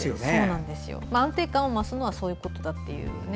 安定感を増すのはそういうことだっていうね。